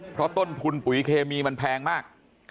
เพราะต้นทุนปุ๋ยเคมีมันแพงมาก